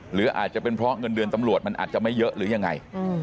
หรืออาจจะเป็นเพราะเงินเดือนตำรวจมันอาจจะไม่เยอะหรือยังไง